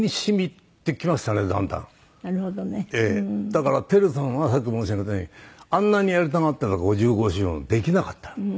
だから輝さんはさっき申し上げたようにあんなにやりたがってた５５周年をできなかった。